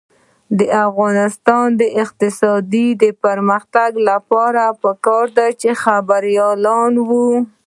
د افغانستان د اقتصادي پرمختګ لپاره پکار ده چې خبریالان وي.